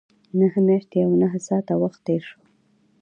نهه میاشتې او نهه ساعته وخت تېر شو.